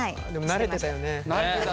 慣れてたね。